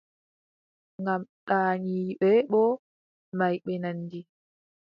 Ngam ɗaaniiɓe boo maayɓe nandi.